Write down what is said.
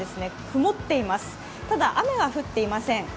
ただ、雨は降っていません。